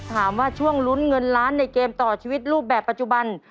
ถามว่าช่วงลุ้นเงินล้านในเกมต่อชีวิตรูปแบบปัจจุบัน